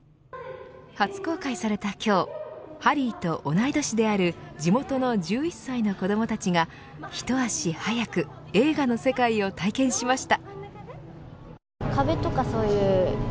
初公開された今日ハリーと同い年である地元の１１歳の子どもたちがひと足早く映画の世界を体験しました。